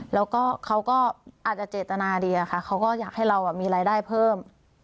แล้วก็เขาก็อาจจะเจตนาดีอะค่ะเขาก็อยากให้เรามีรายได้เพิ่ม